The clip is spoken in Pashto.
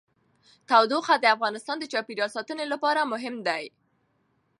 تودوخه د افغانستان د چاپیریال ساتنې لپاره مهم دي.